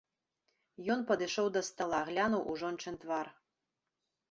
Ён падышоў да стала, глянуў у жончын твар.